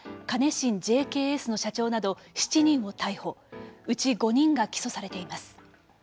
カネシンＪＫＳの社長など、７人を逮捕うち５人が起訴されています。